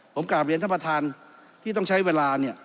ผมกลับเรียนท่านประธานที่ต้องใช้เวลาเนี่ย